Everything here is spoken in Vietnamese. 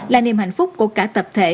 là niềm hạnh phúc của cả tập thể